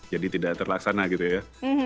jadi tidak terlaksana gitu ya